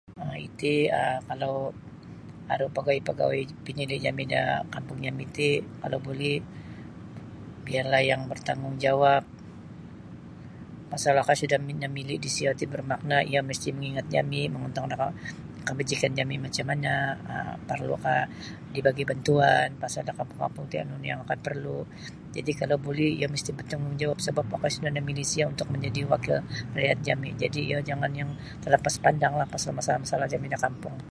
um Iti um kalau pegawai-pegawai pinili jami da kampung jami ti kalau buli biarlah yang bertanggungjawab pasal okoi sudah namili disiyo ti bermakna iyo misti mangingat jami mongontong da ka kabajikan jami macam mana um perlukah dibagi bantuan pasal da kampung-kampung ti nunu yang okoi perlu jadi kalau buli iyo misti bertanggungjawab sebap okoi sudah namili disiyo menjadi wakil rakyat jami jadi iyo jangan yang terlapas pandanglah pasal masalah-masalah jami da kampung.